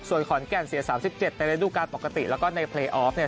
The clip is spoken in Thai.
ส่วนขอนแก่นเสียสามสิบเจ็ดในระดูกการณ์ปกติแล้วก็ในเพลย์ออฟเนี่ย